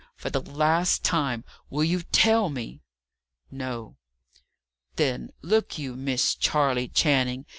for the last time. Will you tell me?" "No." "Then, look you, Miss Charley Channing.